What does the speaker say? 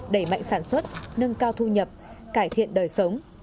đẩy mạnh sản xuất nâng cao thu nhập cải thiện đời sống